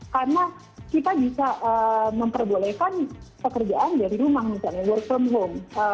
karena kita bisa memperbolehkan pekerjaan dari rumah misalnya work from home